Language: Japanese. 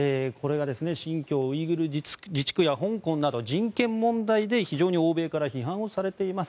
新疆ウイグル自治区や香港など人権問題で非常に欧米から批判をされています。